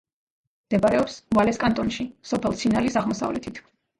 მდებარეობს ვალეს კანტონში, სოფელ ცინალის აღმოსავლეთით.